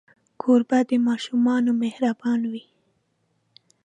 کوربه د ماشومانو مهربان وي.